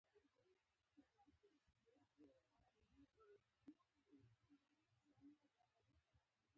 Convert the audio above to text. ازادي راډیو د بیکاري پرمختګ سنجولی.